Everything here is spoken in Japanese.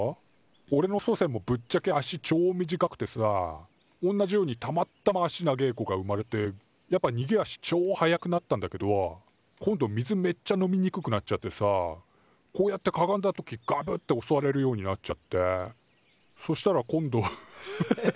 おれの祖先もぶっちゃけ足ちょ短くてさおんなじようにたまったま足長え子が生まれてやっぱにげ足ちょ早くなったんだけど今度水めっちゃ飲みにくくなっちゃってさこうやってかがんだ時ガブッておそわれるようになっちゃってそしたら今度。